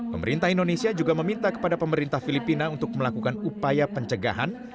pemerintah indonesia juga meminta kepada pemerintah filipina untuk melakukan upaya pencegahan